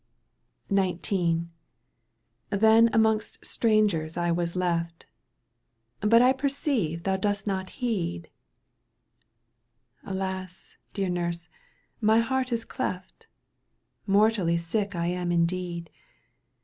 XIX. " Then amongst strangers I was left — But I perceive thou dost not heed ''" Alas ! dear nurse, my heart is cleft, Mortally sick I am indeed.